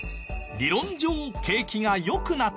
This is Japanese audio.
理論上景気が良くなっていく。